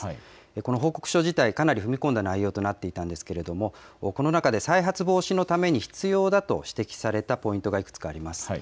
この報告書自体、かなり踏み込んだ内容となっていたんですけれども、この中で再発防止のために必要だと指摘されたポイントがいくつかあります。